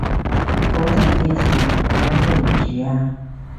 嗰陣嘅事，我好對唔住啊